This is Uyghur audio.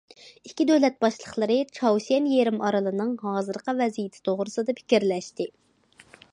ئىككى دۆلەت باشلىقلىرى چاۋشيەن يېرىم ئارىلىنىڭ ھازىرقى ۋەزىيىتى توغرىسىدا پىكىرلەشتى.